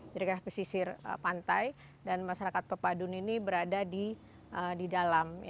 di dekat pesisir pantai dan masyarakat pepadun ini berada di dalam